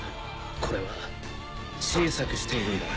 これは小さくしているんだ